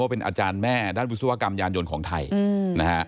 เป็นอาจารย์แม่ด้านวิศวกรรมยานยนต์ของไทยนะฮะ